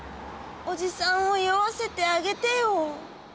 おじさんを酔わせてあげてよ！